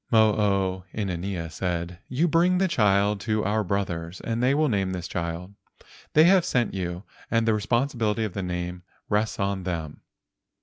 " Mo o inanea said: "You bring the child to our brothers and they will name this child. They have sent you, and the responsibility of the name rests on them."